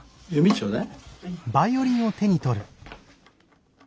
ちょうだい。